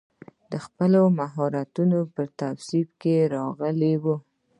د خپلو مهارتونو پر توصیف کې راغلی و.